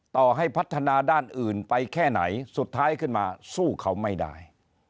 ต่อให้พัฒนาด้านอื่นไปแค่ไหนสุดท้ายขึ้นมาสู้เขาไม่ได้